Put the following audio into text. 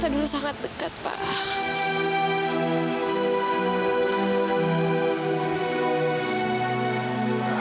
saya dulu sangat dekat pak